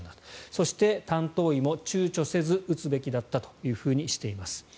そして、担当医も躊躇せず打つべきだったと話しています。